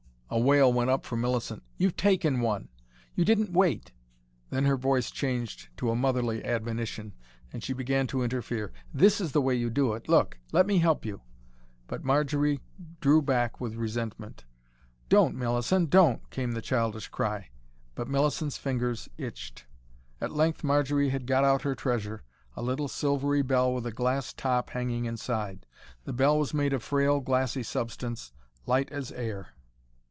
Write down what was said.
a wail went up from Millicent. "You've taken one! You didn't wait." Then her voice changed to a motherly admonition, and she began to interfere. "This is the way to do it, look! Let me help you." But Marjory drew back with resentment. "Don't, Millicent! Don't!" came the childish cry. But Millicent's fingers itched. At length Marjory had got out her treasure a little silvery bell with a glass top hanging inside. The bell was made of frail glassy substance, light as air.